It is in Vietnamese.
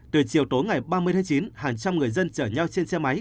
từ chiều tối ngày ba mươi tháng chín hàng trăm người dân chở nhau trên xe máy